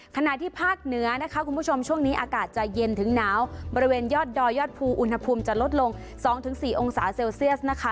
ขณะที่ภาคเหนือนะคะคุณผู้ชมช่วงนี้อากาศจะเย็นถึงหนาวบริเวณยอดดอยยอดภูอุณหภูมิจะลดลง๒๔องศาเซลเซียสนะคะ